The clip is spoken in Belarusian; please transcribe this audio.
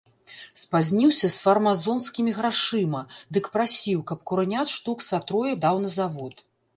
Спазніўся з фармазонскімі грашыма, дык прасіў, каб куранят штук са трое даў на завод.